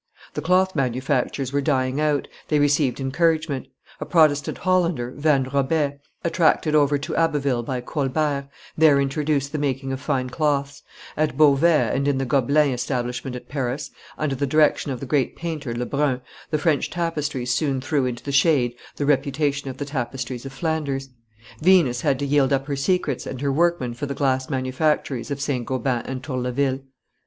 The cloth manufactures were dying out, they received encouragement; a Protestant Hollander, Van Robais, attracted over to Abbeville by Colbert, there introduced the making of fine cloths; at Beauvais and in the Gobelins establishment at Paris, under the direction of the great painter Lebrun, the French tapestries soon threw into the shade the reputation of the tapestries of Flanders; Venice had to yield up her secrets and her workmen for the glass manufactories of St. Gobain and Tourlaville.